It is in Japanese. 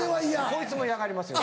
こいつも嫌がりますよ。